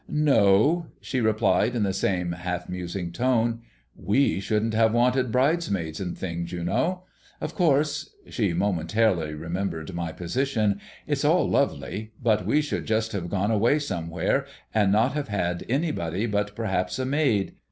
"No," she replied in the same half musing tone. "We shouldn't have wanted bridesmaids and things, you know. Of course" she momentarily remembered my position "it's all lovely; but we should just have gone away somewhere and not have had anybody but perhaps a maid.